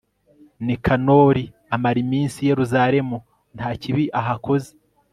nikanori amara iminsi i yeruzalemu nta kibi ahakoze